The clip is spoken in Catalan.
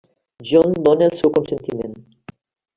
John dóna el seu consentiment.